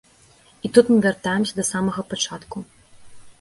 І тут мы вяртаемся да самага пачатку.